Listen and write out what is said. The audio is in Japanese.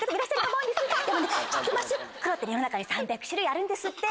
黒って世の中に３００種類あるんですって。